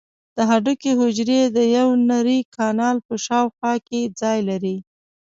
د هډوکو حجرې د یو نري کانال په شاوخوا کې ځای لري.